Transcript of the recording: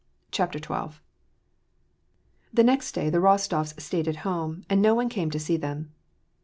CHAPTER XII. The next day the Eostofs staid at home, and no one came to see them.